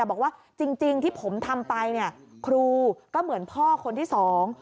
บอกว่าจริงจริงที่ผมทำไปเนี่ยครูก็เหมือนพ่อคนที่สอง